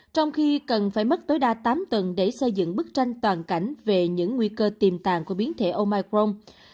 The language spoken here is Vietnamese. trong khi cần phải mất tối đa tám tầng để xây dựng bức tranh toàn cảnh về những nguy cơ tiềm tàng của biến thể omicron